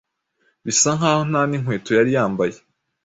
bisa nkaho nta ninkweto yari yambaye